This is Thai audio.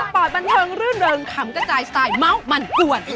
ปล่อยบันเทิงรื่นเริงขำกระจายสไตล์เมาส์มันกวน